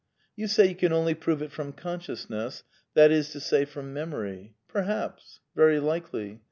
You say you can only prove it from consciousness, that is to say, from memory. Perhaps, very likely.